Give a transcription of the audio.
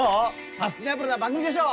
サスティナブルな番組でしょう？